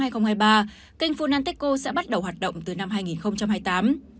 kênh funantico sẽ bắt đầu hoạt động từ năm hai nghìn hai mươi tám